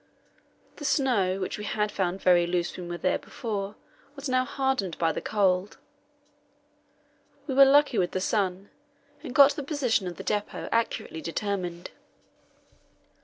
The snow, which we had found very loose when we were there before, was now hardened by the cold. We were lucky with the sun, and got the position of the depot accurately determined.